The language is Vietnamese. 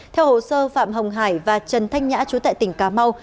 theo hồ sơ phạm hồng hải và trần thanh nhã chú tại tỉnh cà mau